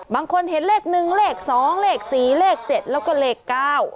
บางคนเห็นเลข๑เลข๒เลข๔เลข๗แล้วก็เลข๙